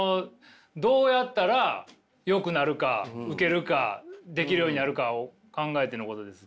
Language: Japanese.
どうやったらよくなるかウケるかできるようになるかを考えてのことです。